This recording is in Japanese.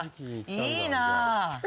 いいなあ。